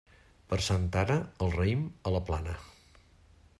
Per Santa Anna, el raïm a la plana.